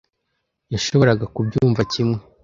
yashoboraga kubyumva kimwe.